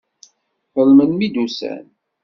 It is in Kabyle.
Ḍelmen mi d-ussan.